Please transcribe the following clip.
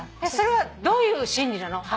それはどういう心理なの？